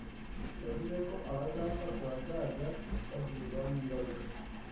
Yavuze ko abazafatwa bazajya bagirwaho n’ingaruka